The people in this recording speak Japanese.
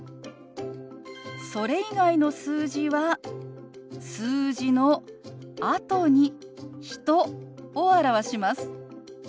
それ以外の数字は数字のあとに人を表します。